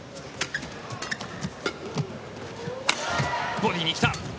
ボディーに来た。